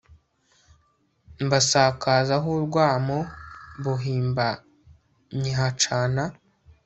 mbasakazamo urwamo buhimba nyihacana